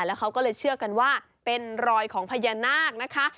แล้วเขาก็เลยเชื่อกันว่าเป็นรอยของพญานาคนะคะ